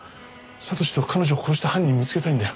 悟史と彼女を殺した犯人見つけたいんだよ。